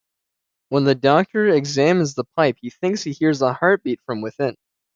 When the Doctor examines the pipe, he thinks he hears a heartbeat from within.